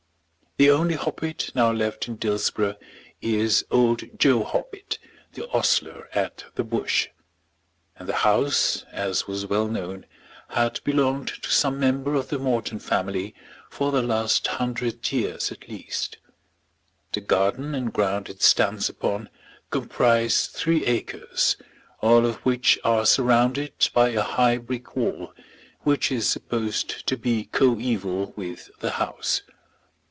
The only Hoppet now left in Dillsborough is old Joe Hoppet, the ostler at the Bush; and the house, as was well known, had belonged to some member of the Morton family for the last hundred years at least. The garden and ground it stands upon comprise three acres, all of which are surrounded by a high brick wall, which is supposed to be coeval with the house.